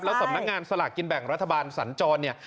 สำนักงานสลากกินแบ่งรัฐบาลสัญจรเนี่ย